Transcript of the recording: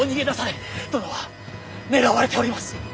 殿は狙われております！